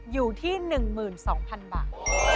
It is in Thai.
อยู่ที่๑๒๐๐๐บาท